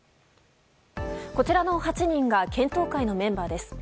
こちらの８人が検討会のメンバーです。